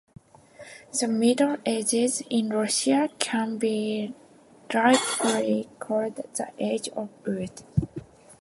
The Middle Ages in Russia can be rightfully called the age of wood.